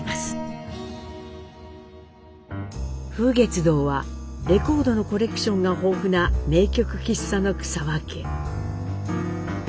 風月堂はレコードのコレクションが豊富な名曲喫茶の草分け。